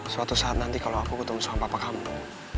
suatu saat nanti kalau aku ketemu sama papa kamu